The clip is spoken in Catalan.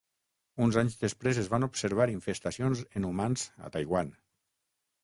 Uns anys després es van observar infestacions en humans a Taiwan.